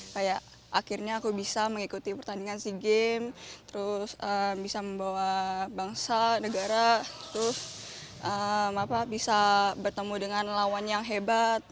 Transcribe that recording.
kayak akhirnya aku bisa mengikuti pertandingan sea games terus bisa membawa bangsa negara terus bisa bertemu dengan lawan yang hebat